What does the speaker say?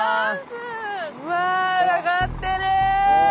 うわ上がってる！